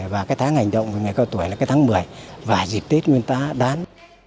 và cái tháng hành động về người cao tuổi là cái tháng một mươi và dịp tết nguyên tá đán